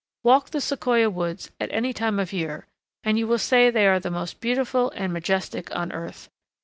Walk the Sequoia woods at any time of year and you will say they are the most beautiful and majestic on earth.